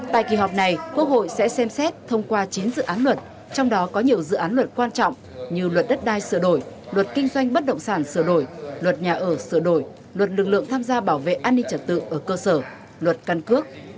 tại kỳ họp này quốc hội sẽ xem xét thông qua chín dự án luật trong đó có nhiều dự án luật quan trọng như luật đất đai sửa đổi luật kinh doanh bất động sản sửa đổi luật nhà ở sửa đổi luật lực lượng tham gia bảo vệ an ninh trật tự ở cơ sở luật căn cước